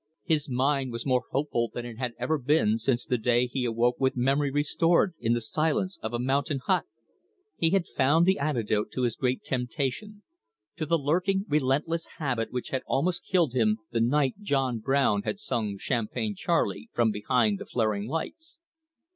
His mind was more hopeful than it had ever been since the day he awoke with memory restored in the silence of a mountain hut. He had found the antidote to his great temptation, to the lurking, relentless habit which had almost killed him the night John Brown had sung Champagne Charlie from behind the flaring lights.